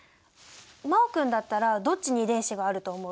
真旺君だったらどっちに遺伝子があると思う？